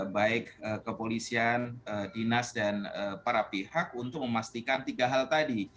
baik kepolisian dinas dan para pihak untuk memastikan tiga hal tadi